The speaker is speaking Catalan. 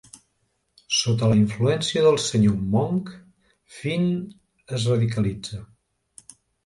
Sota la influència del senyor Monk, Finn es radicalitza.